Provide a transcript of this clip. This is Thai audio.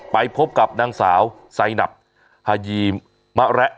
ไปพบกับนางสาวไซนับฮายีมะระ